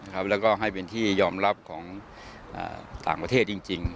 แล้วก็ให้เป็นที่ยอมรับของต่างประเทศจริง